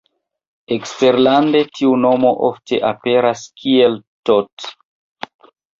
Eksterlande tiu nomo ofte aperas kiel Tot.